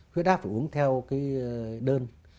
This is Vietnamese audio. khuyết áp phải uống theo cái đơn